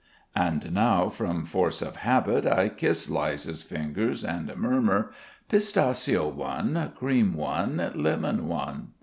And now from force of habit I kiss Liza's fingers and murmur: "Pistachio one, cream one, lemon one."